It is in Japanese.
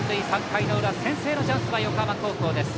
３回の裏、先制のチャンスは横浜高校です。